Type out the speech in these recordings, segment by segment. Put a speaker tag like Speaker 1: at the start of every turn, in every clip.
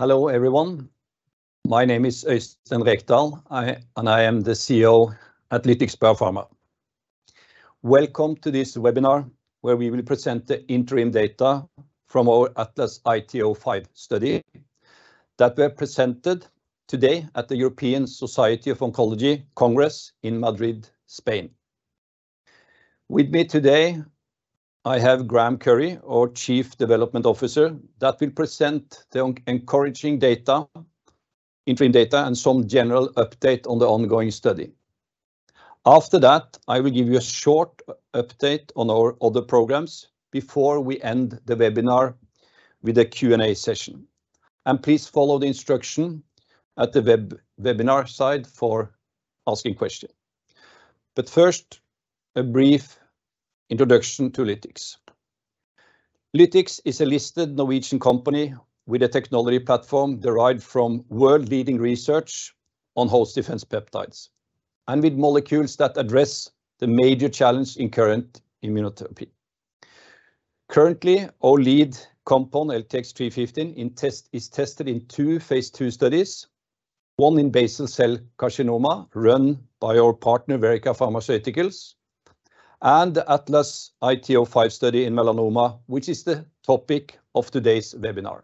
Speaker 1: Hello, everyone. My name is Øystein Rekdal, and I am the CEO at Lytix Biopharma. Welcome to this webinar, where we will present the interim data from our ATLAS-IT-05 study that were presented today at the European Society for Medical Oncology Congress in Madrid, Spain. With me today, I have Graeme Currie, our Chief Development Officer, that will present the encouraging data, interim data, and some general update on the ongoing study. After that, I will give you a short update on our other programs before we end the webinar with a Q&A session. And please follow the instruction at the webinar site for asking question. But first, a brief introduction to Lytix. Lytix is a listed Norwegian company with a technology platform derived from world-leading research on host defense peptides, and with molecules that address the major challenge in current immunotherapy. Currently, our lead component, LTX-315, in test, is tested in two phase II studies, one in basal cell carcinoma, run by our partner Verrica Pharmaceuticals, and the ATLAS-IT-05 study in melanoma, which is the topic of today's webinar.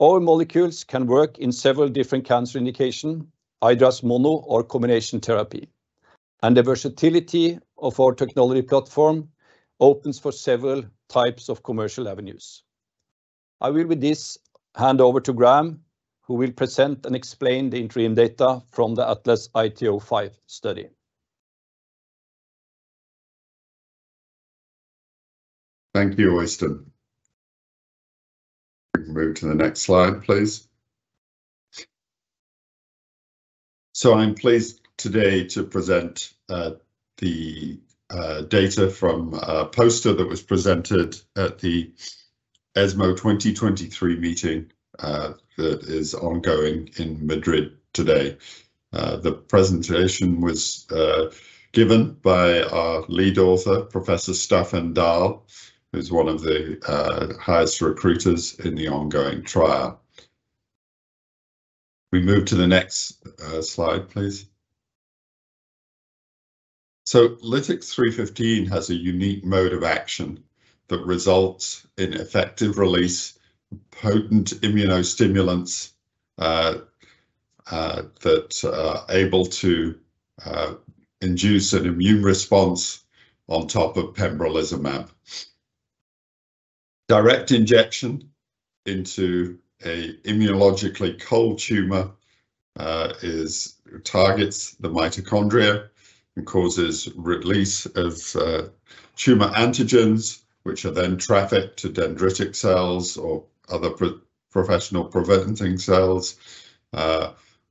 Speaker 1: Our molecules can work in several different cancer indication, either as mono or combination therapy, and the versatility of our technology platform opens for several types of commercial avenues. I will with this hand over to Graeme, who will present and explain the interim data from the ATLAS-IT-05 study.
Speaker 2: Thank you, Øystein. We can move to the next slide, please. I'm pleased today to present the data from a poster that was presented at the ESMO 2023 meeting that is ongoing in Madrid today. The presentation was given by our lead author, Professor Stéphane Dalle, who's one of the highest recruiters in the ongoing trial. We move to the next slide, please. LTX-315 has a unique mode of action that results in effective release, potent immunostimulants that are able to induce an immune response on top of pembrolizumab. Direct injection into an immunologically cold tumor targets the mitochondria and causes release of tumor antigens, which are then trafficked to dendritic cells or other professional presenting cells,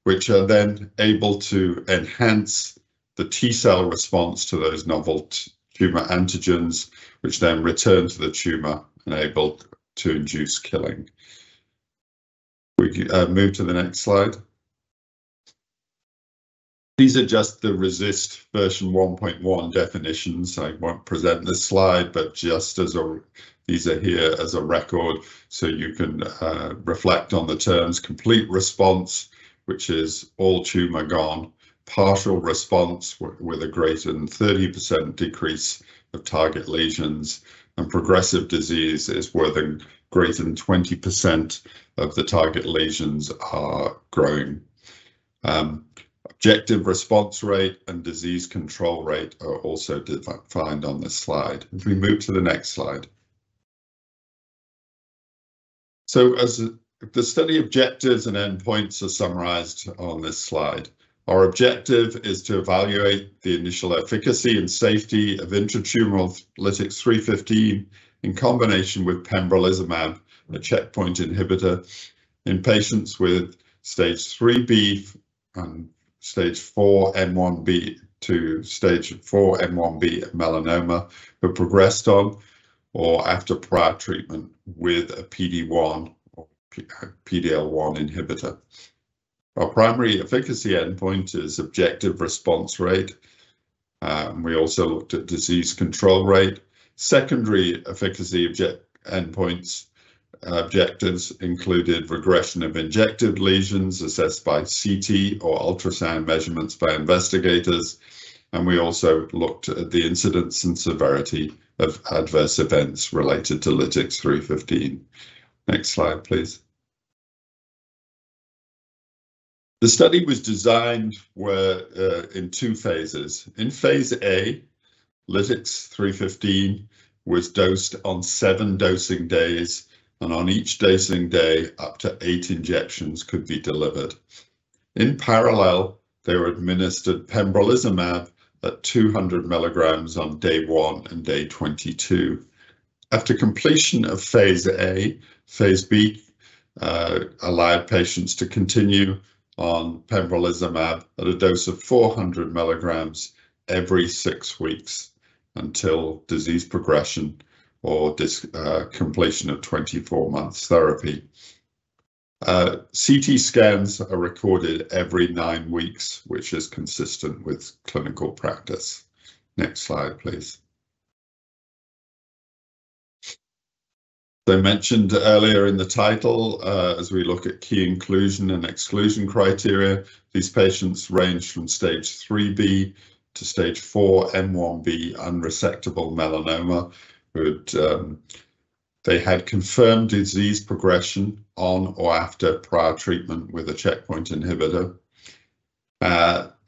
Speaker 2: which are then able to enhance the T cell response to those novel tumor antigens, which then return to the tumor, enabled to induce killing. We can move to the next slide. These are just the RECIST version 1.1 definitions. I won't present this slide, but just as a, these are here as a record, so you can reflect on the terms, complete response, which is all tumor gone, partial response with a greater than 30% decrease of target lesions, and progressive disease is where the greater than 20% of the target lesions are growing. Objective response rate and disease control rate are also found on this slide. If we move to the next slide. As the study objectives and endpoints are summarized on this slide, our objective is to evaluate the initial efficacy and safety of intratumoral LTX-315 in combination with pembrolizumab, a checkpoint inhibitor, in patients with Stage IIIb and Stage IV M1b to Stage IV M1b melanoma, who progressed on or after prior treatment with a PD-1 or a PD-L1 inhibitor. Our primary efficacy endpoint is objective response rate, and we also looked at disease control rate. Secondary efficacy endpoints, objectives included regression of injected lesions assessed by CT or ultrasound measurements by investigators, and we also looked at the incidence and severity of adverse events related to LTX-315. Next slide, please. The study was designed where in two phases. In phase A, LTX-315 was dosed on seven dosing days, and on each dosing day, up to eight injections could be delivered. In parallel, they were administered pembrolizumab at 200 mg on day one and day 22. After completion of phase A, phase B allowed patients to continue on pembrolizumab at a dose of 400 mg every six weeks until disease progression or completion of 24 months therapy. CT scans are recorded every nine weeks, which is consistent with clinical practice. Next slide, please. I mentioned earlier in the title, as we look at key inclusion and exclusion criteria, these patients range from stage IIIb to stage IV M1b unresectable melanoma, but they had confirmed disease progression on or after prior treatment with a checkpoint inhibitor.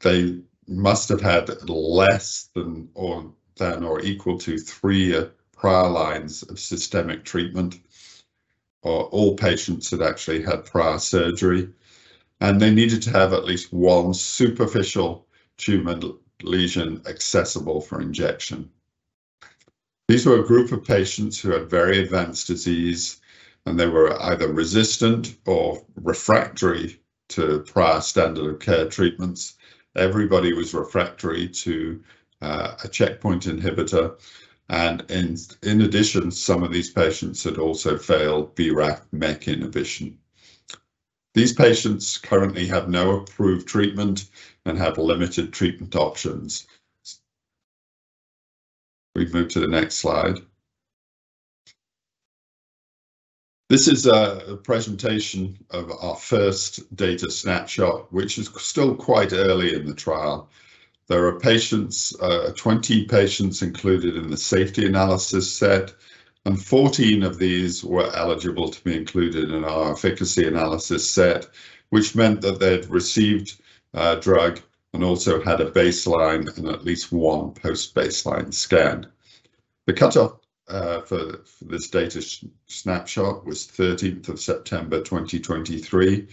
Speaker 2: They must have had less than or equal to three prior lines of systemic treatment, or all patients had actually had prior surgery, and they needed to have at least one superficial tumor lesion accessible for injection. These were a group of patients who had very advanced disease, and they were either resistant or refractory to prior standard of care treatments. Everybody was refractory to a checkpoint inhibitor, and in addition, some of these patients had also failed BRAF/MEK inhibition. These patients currently have no approved treatment and have limited treatment options. We move to the next slide. This is a presentation of our first data snapshot, which is still quite early in the trial. There are 20 patients included in the safety analysis set, and 14 of these were eligible to be included in our efficacy analysis set, which meant that they'd received drug and also had a baseline and at least one post-baseline scan. The cutoff for this data snapshot was 13th of September 2023.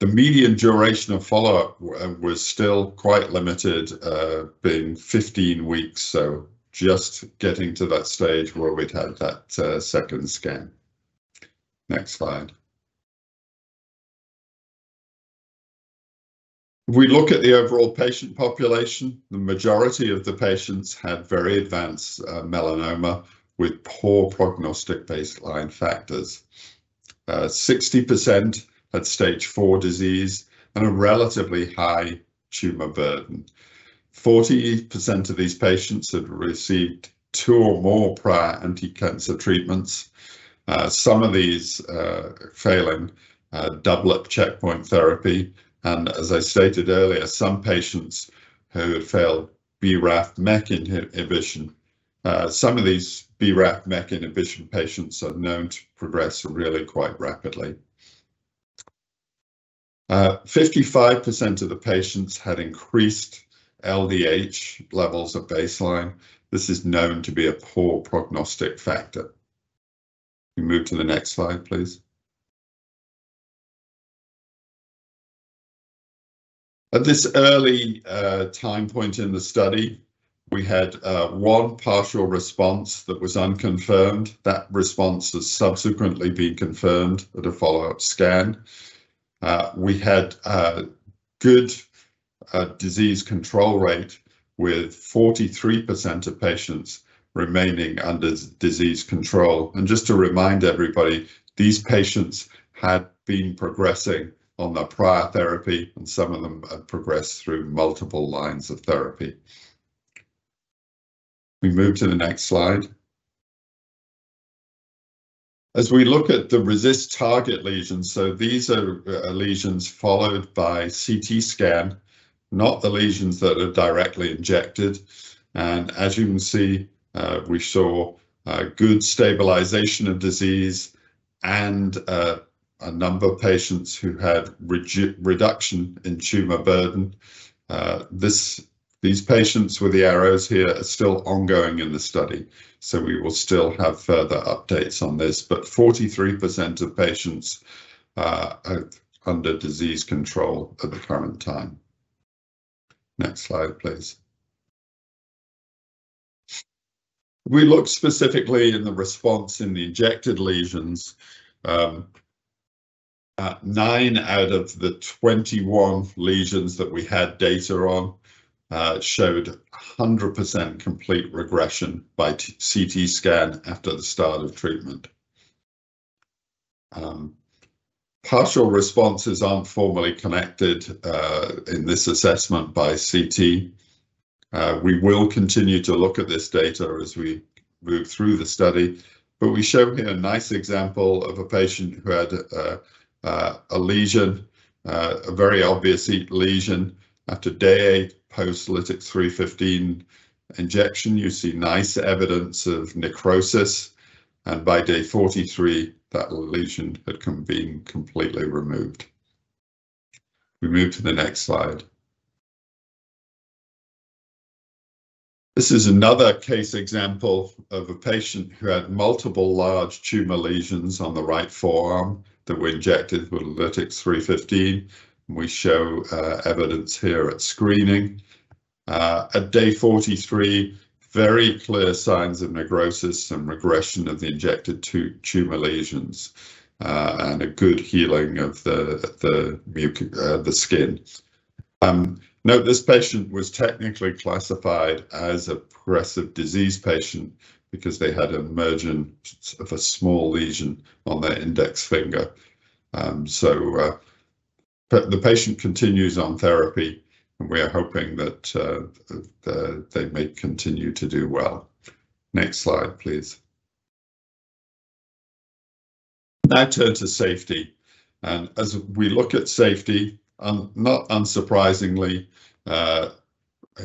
Speaker 2: The median duration of follow-up was still quite limited, being 15 weeks, so just getting to that stage where we'd had that second scan. Next slide. If we look at the overall patient population, the majority of the patients had very advanced melanoma with poor prognostic baseline factors. 60% had Stage IV disease and a relatively high tumor burden. 40% of these patients had received two or more prior anti-cancer treatments, some of these failing double checkpoint therapy, and as I stated earlier, some patients who had failed BRAF/MEK inhibition. Some of these BRAF/MEK inhibition patients are known to progress really quite rapidly. 55% of the patients had increased LDH levels at baseline. This is known to be a poor prognostic factor. We move to the next slide, please. At this early time point in the study, we had 1 partial response that was unconfirmed. That response has subsequently been confirmed at a follow-up scan. We had good disease control rate, with 43% of patients remaining under disease control. And just to remind everybody, these patients had been progressing on the prior therapy, and some of them had progressed through multiple lines of therapy. We move to the next slide. As we look at the RECIST target lesions, so these are lesions followed by CT scan, not the lesions that are directly injected. And as you can see, we saw good stabilization of disease and a number of patients who had reduction in tumor burden. These patients with the arrows here are still ongoing in the study, so we will still have further updates on this, but 43% of patients are under disease control at the current time. Next slide, please. We looked specifically in the response in the injected lesions. Nine out of the 21 lesions that we had data on showed 100% complete regression by CT scan after the start of treatment. Partial responses aren't formally connected in this assessment by CT. We will continue to look at this data as we move through the study, but we show here a nice example of a patient who had a lesion, a very obvious lesion. After day post LTX-315 injection, you see nice evidence of necrosis, and by day 43, that lesion had been completely removed. We move to the next slide. This is another case example of a patient who had multiple large tumor lesions on the right forearm that were injected with LTX-315. We show evidence here at screening. At day 43, very clear signs of necrosis and regression of the injected tumor lesions, and a good healing of the skin. Note, this patient was technically classified as a progressive disease patient because they had emergence of a small lesion on their index finger. But the patient continues on therapy, and we are hoping that they may continue to do well. Next slide, please. Now turn to safety, and as we look at safety, not unsurprisingly,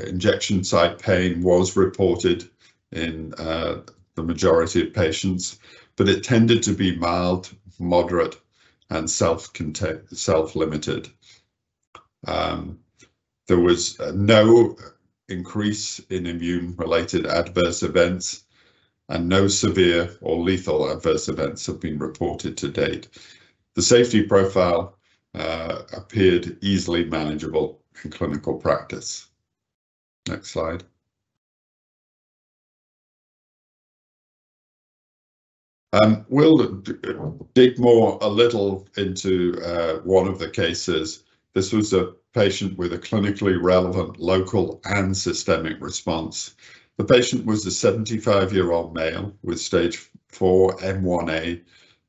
Speaker 2: injection site pain was reported in the majority of patients, but it tended to be mild, moderate, and self-limited. There was no increase in immune-related adverse events, and no severe or lethal adverse events have been reported to date. The safety profile appeared easily manageable in clinical practice. Next slide. We'll dig more a little into one of the cases. This was a patient with a clinically relevant local and systemic response. The patient was a 75-year-old male with stage IV M1a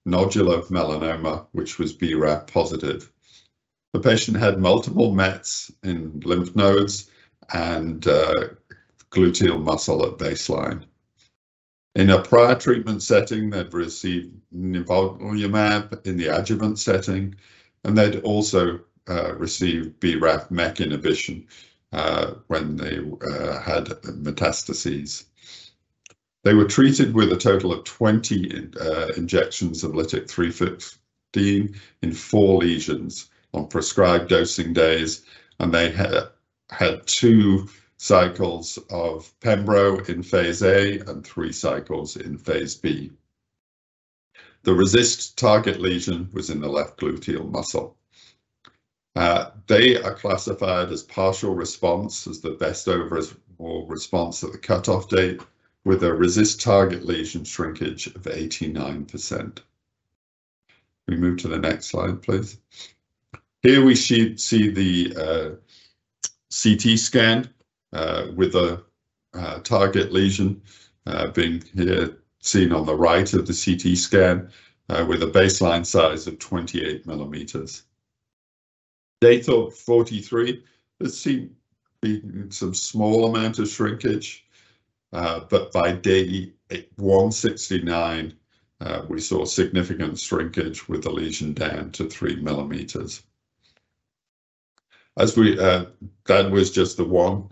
Speaker 2: nodular melanoma, which was BRAF positive. The patient had multiple mets in lymph nodes and gluteal muscle at baseline. In a prior treatment setting, they'd received Nivolumab in the adjuvant setting, and they'd also received BRAF/MEK inhibition when they had metastases. They were treated with a total of 20 injections of LTX-315 in four lesions on prescribed dosing days, and they had two cycles of pembro in phase A and three cycles in phase B. The RECIST target lesion was in the left gluteal muscle. They are classified as partial response as the best overall response at the cutoff date, with a RECIST target lesion shrinkage of 89%. We move to the next slide, please. Here we see the CT scan with a target lesion being seen on the right of the CT scan with a baseline size of 28 millimeters. Day 43, there seemed to be some small amount of shrinkage, but by day 169, we saw significant shrinkage, with the lesion down to 3 millimeters. As we... That was just the one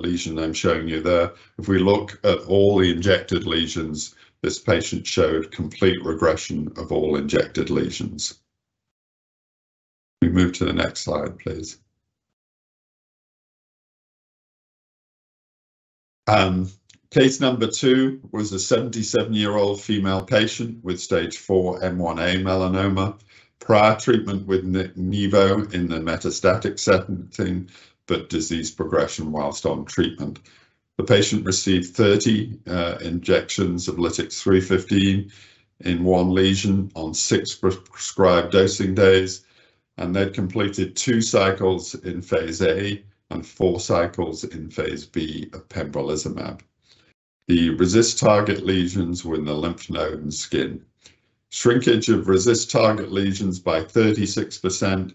Speaker 2: lesion I'm showing you there. If we look at all the injected lesions, this patient showed complete regression of all injected lesions. We move to the next slide, please. Case number two was a 77 year old female patient with Stage IV M1a melanoma, prior treatment with Nivolumab in the metastatic setting, but disease progression whilst on treatment. The patient received 30 injections of LTX-315 in one lesion on six prescribed dosing days, and they've completed two cycles in phase A and four cycles in phase B of pembrolizumab. The RECIST target lesions were in the lymph node and skin. Shrinkage of RECIST target lesions by 36%,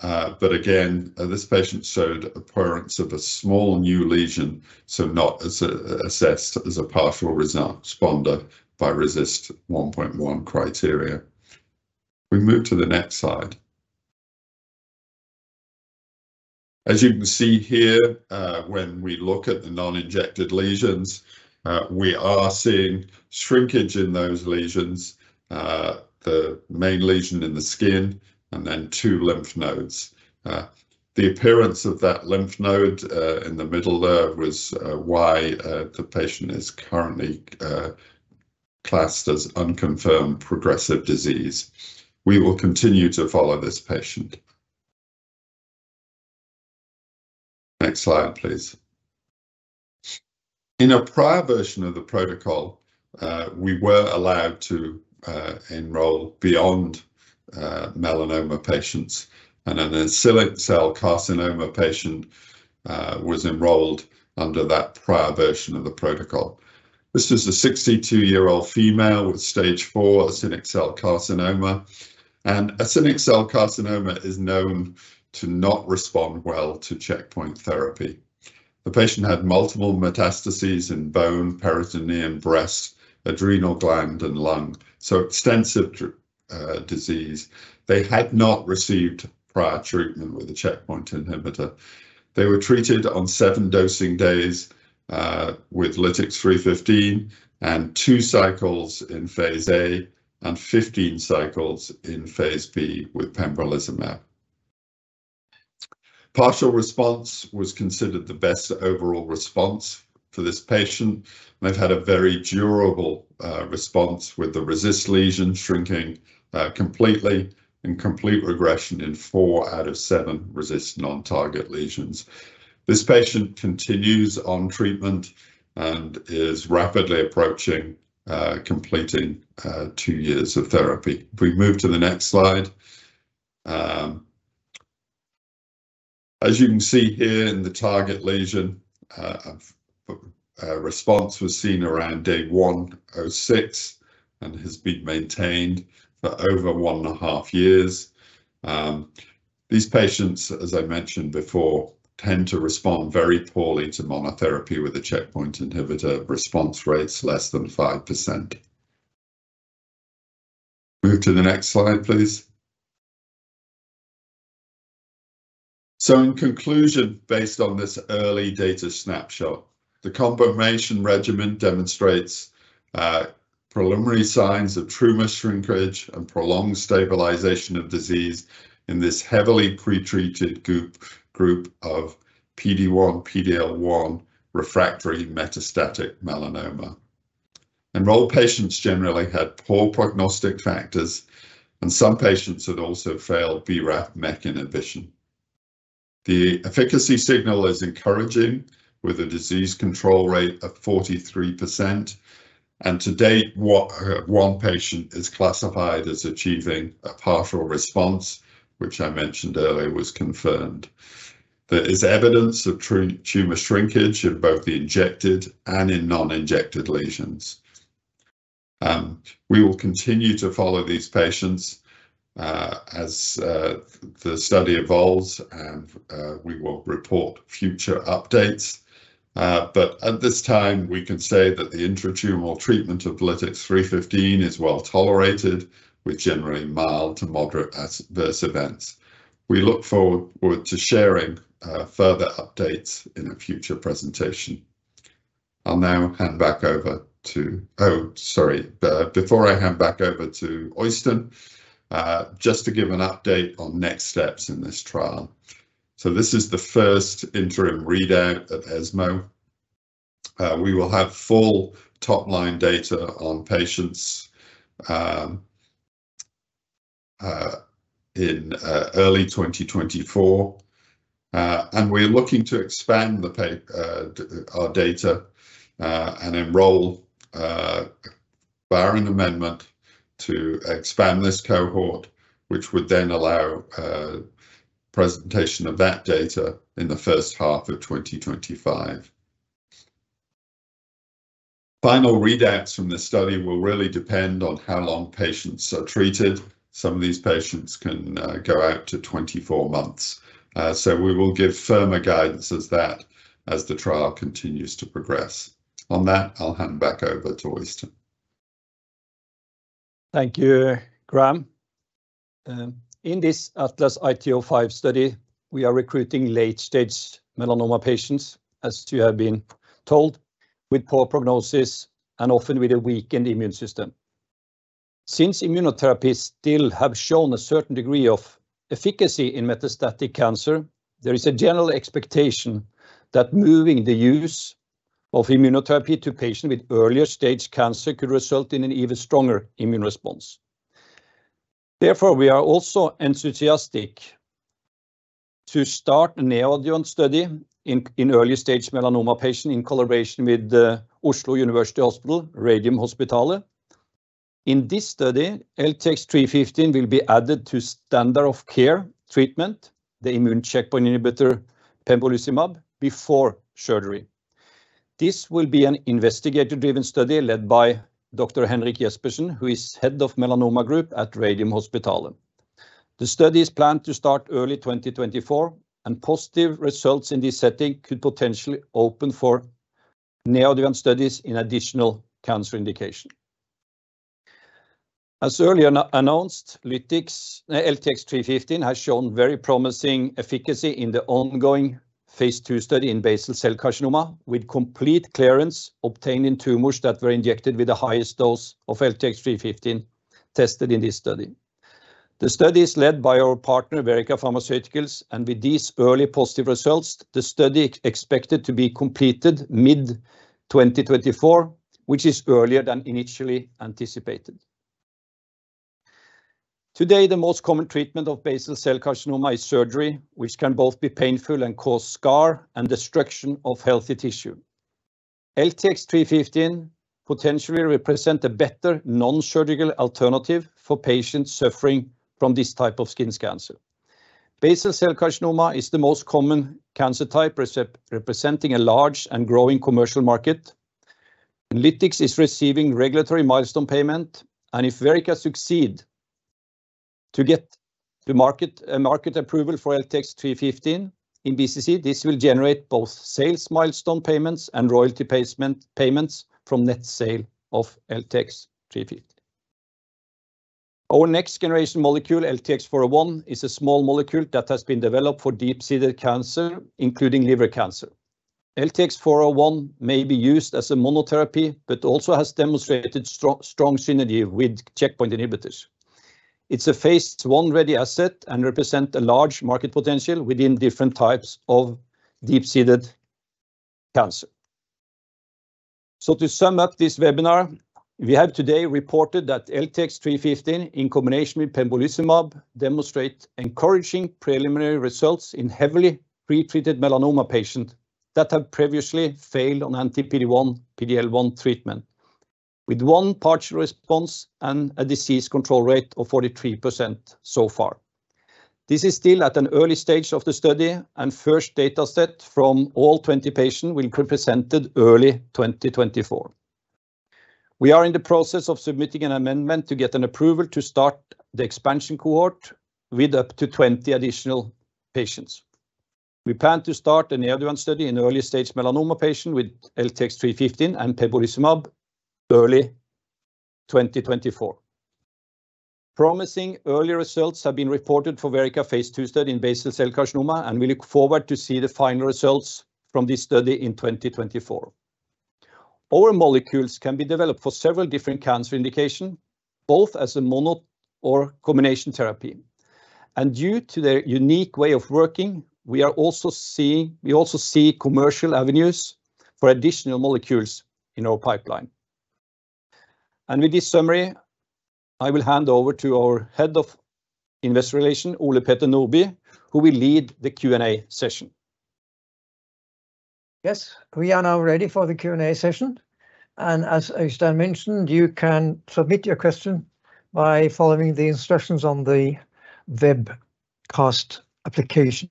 Speaker 2: but again, this patient showed appearance of a small new lesion, so not assessed as a partial responder by RECIST 1.1 criteria. We move to the next slide. As you can see here, when we look at the non-injected lesions, we are seeing shrinkage in those lesions, the main lesion in the skin and then two lymph nodes. The appearance of that lymph node in the middle there was why the patient is currently classed as unconfirmed progressive disease. We will continue to follow this patient. Next slide, please. In a prior version of the protocol, we were allowed to enroll beyond melanoma patients, and an acinic cell carcinoma patient was enrolled under that prior version of the protocol. This was a 62-year-old female with stage IV acinic cell carcinoma, and acinic cell carcinoma is known to not respond well to checkpoint therapy. The patient had multiple metastases in bone, peritoneum, breast, adrenal gland, and lung, so extensive disease. They had not received prior treatment with a checkpoint inhibitor. They were treated on seven dosing days with LTX-315, and two cycles in phase A and 15 cycles in phase B with pembrolizumab. Partial response was considered the best overall response for this patient, and they've had a very durable response, with the RECIST lesion shrinking completely and complete regression in four out of 7 RECIST non-target lesions. This patient continues on treatment and is rapidly approaching completing two years of therapy. We move to the next slide. As you can see here in the target lesion, a response was seen around day 106 and has been maintained for over one and a half years. These patients, as I mentioned before, tend to respond very poorly to monotherapy with a checkpoint inhibitor, response rates less than 5%. Move to the next slide, please. In conclusion, based on this early data snapshot, the confirmation regimen demonstrates preliminary signs of tumor shrinkage and prolonged stabilization of disease in this heavily pretreated group, group of PD-1, PD-L1 refractory metastatic melanoma. Enrolled patients generally had poor prognostic factors, and some patients had also failed BRAF/MEK inhibition. The efficacy signal is encouraging, with a disease control rate of 43%, and to date, one patient is classified as achieving a partial response, which I mentioned earlier, was confirmed. There is evidence of tumor shrinkage in both the injected and in non-injected lesions. We will continue to follow these patients, as the study evolves, and we will report future updates. But at this time, we can say that the intratumoral treatment of LTX-315 is well-tolerated, with generally mild to moderate adverse events. We look forward to sharing further updates in a future presentation. I'll now hand back over to. Oh, sorry. Before I hand back over to Øystein, just to give an update on next steps in this trial. So this is the first interim readout at ESMO. We will have full top-line data on patients in early 2024. We're looking to expand our data and enroll, barring amendment, to expand this cohort, which would then allow a presentation of that data in the first half of 2025. Final readouts from this study will really depend on how long patients are treated. Some of these patients can go out to 24 months. So we will give firmer guidance as that, as the trial continues to progress. On that, I'll hand back over to Øystein.
Speaker 1: Thank you, Graeme. In this ATLAS-IT-05 study, we are recruiting late-stage melanoma patients, as you have been told, with poor prognosis and often with a weakened immune system. Since immunotherapies still have shown a certain degree of efficacy in metastatic cancer, there is a general expectation that moving the use of immunotherapy to patients with earlier-stage cancer could result in an even stronger immune response. Therefore, we are also enthusiastic to start a neoadjuvant study in early-stage melanoma patients in collaboration with the Oslo University Hospital, Radiumhospitalet. In this study, LTX-315 will be added to standard of care treatment, the immune checkpoint inhibitor pembrolizumab, before surgery. This will be an investigator-driven study led by Dr. Henrik Jespersen, who is head of melanoma group at Radiumhospitalet. The study is planned to start early 2024, and positive results in this setting could potentially open for neoadjuvant studies in additional cancer indication. As earlier announced, Lytix, LTX-315, has shown very promising efficacy in the ongoing phase II study in basal cell carcinoma, with complete clearance obtained in tumors that were injected with the highest dose of LTX-315 tested in this study. The study is led by our partner, Verrica Pharmaceuticals, and with these early positive results, the study expected to be completed mid-2024, which is earlier than initially anticipated. Today, the most common treatment of basal cell carcinoma is surgery, which can both be painful and cause scar and destruction of healthy tissue. LTX-315 potentially represent a better non-surgical alternative for patients suffering from this type of skin cancer. Basal cell carcinoma is the most common cancer type, representing a large and growing commercial market. Lytix is receiving regulatory milestone payment, and if Verrica succeed to get the market approval for LTX-315 in BCC, this will generate both sales milestone payments and royalty payments from net sale of LTX-315. Our next-generation molecule, LTX-401, is a small molecule that has been developed for deep-seated cancer, including liver cancer. LTX-401 may be used as a monotherapy, but also has demonstrated strong, strong synergy with checkpoint inhibitors. It's a phase I ready asset and represent a large market potential within different types of deep-seated cancer. To sum up this webinar, we have today reported that LTX-315, in combination with pembrolizumab, demonstrate encouraging preliminary results in heavily pretreated melanoma patients that have previously failed on anti-PD-1, PD-L1 treatment. with one partial response and a disease control rate of 43% so far. This is still at an early stage of the study, and first data set from all 20 patients will be presented early 2024. We are in the process of submitting an amendment to get an approval to start the expansion cohort with up to 20 additional patients. We plan to start an advanced study in early-stage melanoma patient with LTX-315 and pembrolizumab early 2024. Promising early results have been reported for Verrica phase II study in basal cell carcinoma, and we look forward to see the final results from this study in 2024. Our molecules can be developed for several different cancer indication, both as a mono or combination therapy. Due to their unique way of working, we are also seeing- we also see commercial avenues for additional molecules in our pipeline. With this summary, I will hand over to our Head of Investor Relations, Ole Peter Nordby, who will lead the Q&A session.
Speaker 3: Yes, we are now ready for the Q&A session, and as Øystein mentioned, you can submit your question by following the instructions on the webcast application.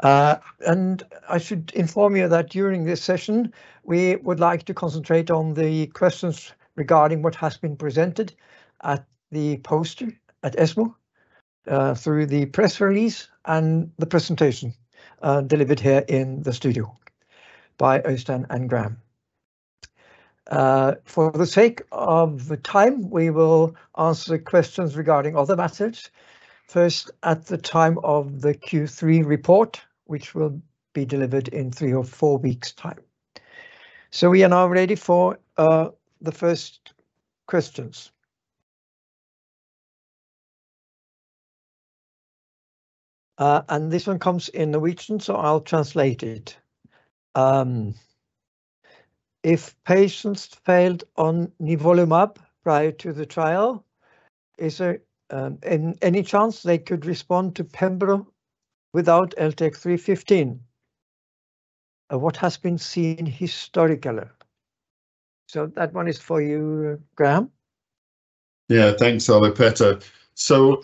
Speaker 3: And I should inform you that during this session, we would like to concentrate on the questions regarding what has been presented at the poster at ESMO, through the press release and the presentation, delivered here in the studio by Øystein and Graeme. For the sake of the time, we will answer the questions regarding other matters, first, at the time of the Q3 report, which will be delivered in three or four weeks' time. So we are now ready for the first questions. And this one comes in Norwegian, so I'll translate it. If patients failed on Nivolumab prior to the trial, is there any chance they could respond to pembro without LTX-315? What has been seen historically. That one is for you, Graeme.
Speaker 2: Yeah. Thanks, Ole Peter. So,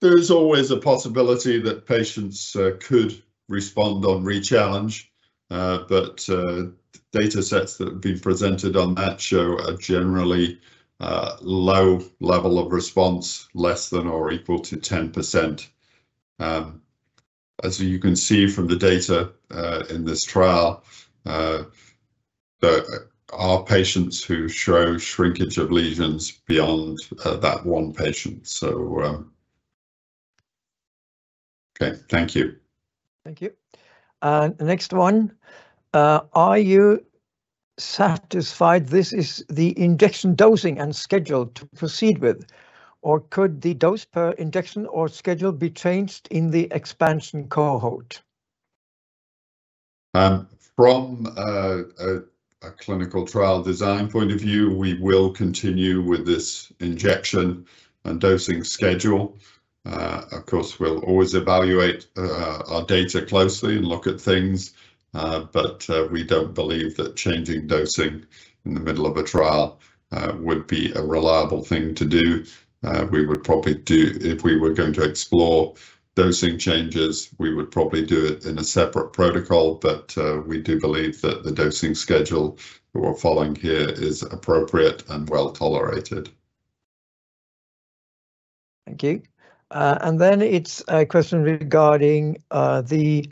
Speaker 2: there's always a possibility that patients could respond on re-challenge, but data sets that have been presented on that show a generally low level of response, less than or equal to 10%. As you can see from the data in this trial, our patients who show shrinkage of lesions beyond that one patient, so... Okay, thank you.
Speaker 3: Thank you. The next one, are you satisfied this is the injection dosing and schedule to proceed with, or could the dose per injection or schedule be changed in the expansion cohort?
Speaker 2: From a clinical trial design point of view, we will continue with this injection and dosing schedule. Of course, we'll always evaluate our data closely and look at things, but we don't believe that changing dosing in the middle of a trial would be a reliable thing to do. If we were going to explore dosing changes, we would probably do it in a separate protocol, but we do believe that the dosing schedule that we're following here is appropriate and well-tolerated.
Speaker 3: Thank you. Then it's a question regarding the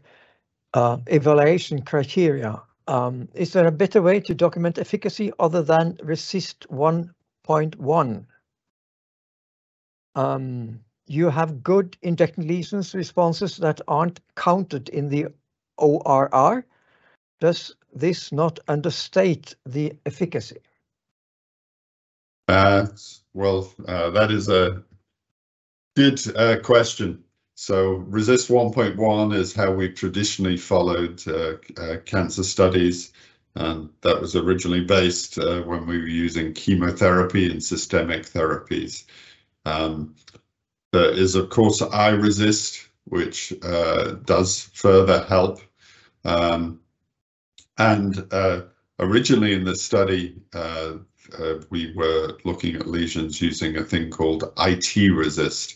Speaker 3: evaluation criteria. Is there a better way to document efficacy other than RECIST 1.1? You have good injected lesions responses that aren't counted in the ORR. Does this not understate the efficacy?
Speaker 2: Well, that is a good question. So RECIST 1.1 is how we've traditionally followed cancer studies, and that was originally based when we were using chemotherapy and systemic therapies. There is, of course, iRECIST, which does further help. And originally in this study, we were looking at lesions using a thing called it RECIST.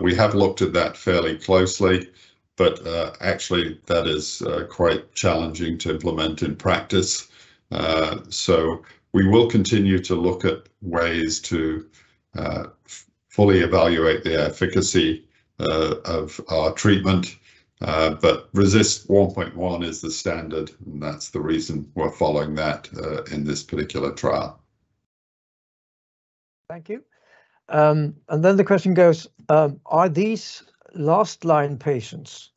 Speaker 2: We have looked at that fairly closely, but actually, that is quite challenging to implement in practice. So we will continue to look at ways to fully evaluate the efficacy of our treatment, but RECIST 1.1 is the standard, and that's the reason we're following that in this particular trial.
Speaker 3: Thank you. And then the question goes, are these last-line patients,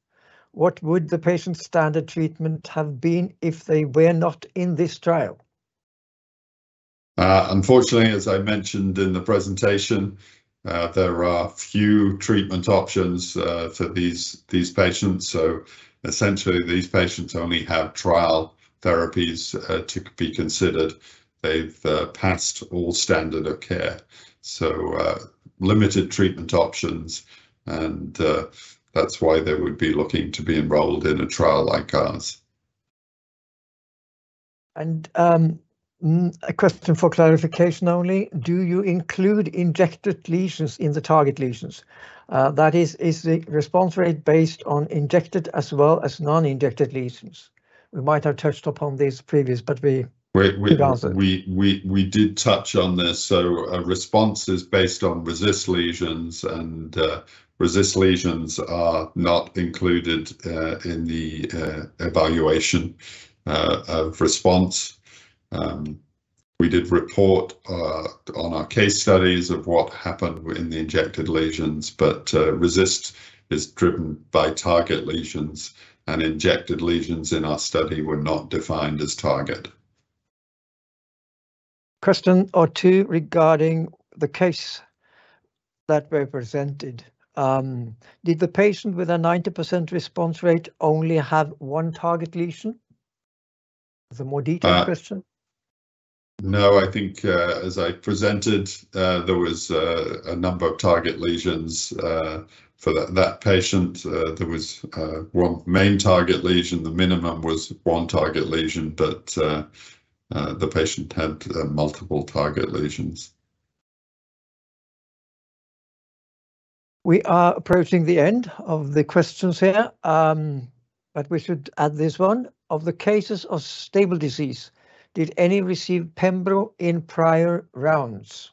Speaker 3: what would the patient's standard treatment have been if they were not in this trial?
Speaker 2: Unfortunately, as I mentioned in the presentation, there are few treatment options for these, these patients. So essentially, these patients only have trial therapies to be considered. They've passed all standard of care, so limited treatment options, and that's why they would be looking to be enrolled in a trial like ours.
Speaker 3: And a question for clarification only: do you include injected lesions in the target lesions? That is, is the response rate based on injected as well as non-injected lesions? We might have touched upon this previous, but we-
Speaker 2: We, we-
Speaker 3: -could answer.
Speaker 2: We did touch on this. So, response is based on RECIST lesions, and RECIST lesions are not included in the evaluation of response. We did report on our case studies of what happened in the injected lesions, but RECIST is driven by target lesions, and injected lesions in our study were not defined as target.
Speaker 3: Question or two regarding the case that were presented. Did the patient with a 90% response rate only have one target lesion? It's a more detailed question.
Speaker 2: No, I think, as I presented, there was a number of target lesions for that, that patient. There was one main target lesion. The minimum was one target lesion, but the patient had multiple target lesions.
Speaker 3: We are approaching the end of the questions here. But we should add this one. Of the cases of stable disease, did any receive Pembro in prior rounds?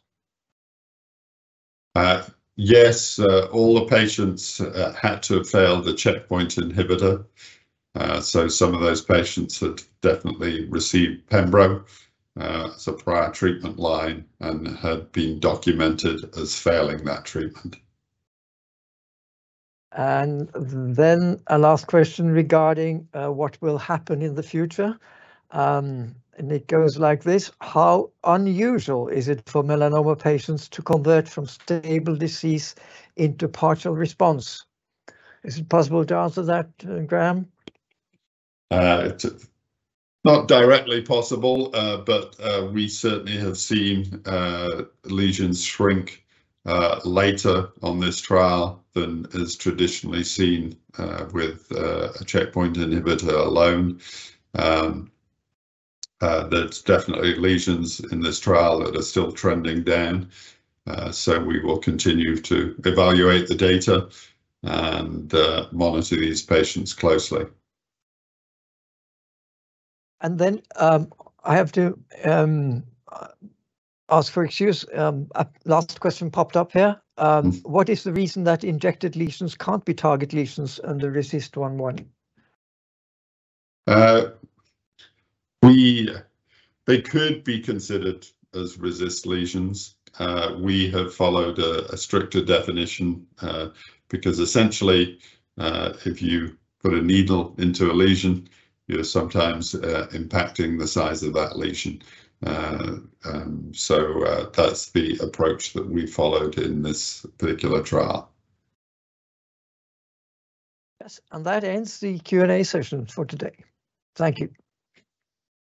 Speaker 2: Yes, all the patients had to have failed the checkpoint inhibitor. So some of those patients had definitely received Pembro, as a prior treatment line and had been documented as failing that treatment.
Speaker 3: Then a last question regarding what will happen in the future, and it goes like this: How unusual is it for melanoma patients to convert from stable disease into partial response? Is it possible to answer that, Graeme?
Speaker 2: It's not directly possible, but we certainly have seen lesions shrink later on this trial than is traditionally seen with a checkpoint inhibitor alone. There's definitely lesions in this trial that are still trending down, so we will continue to evaluate the data and monitor these patients closely.
Speaker 3: And then, I have to ask for excuse, a last question popped up here. What is the reason that injected lesions can't be target lesions under RECIST 1.1?
Speaker 2: They could be considered as resistant lesions. We have followed a stricter definition, because essentially, if you put a needle into a lesion, you're sometimes impacting the size of that lesion. So, that's the approach that we followed in this particular trial.
Speaker 3: Yes, and that ends the Q&A session for today. Thank you.